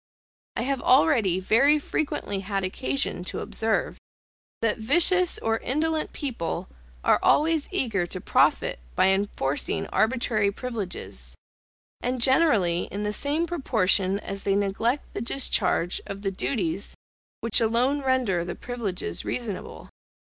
I have already very frequently had occasion to observe, that vicious or indolent people are always eager to profit by enforcing arbitrary privileges; and generally in the same proportion as they neglect the discharge of the duties which alone render the privileges reasonable.